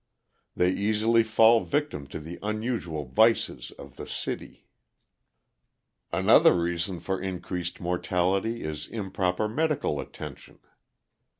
They easily fall victim to the unusual vices of the city. "Another reason for increased mortality is improper medical attention.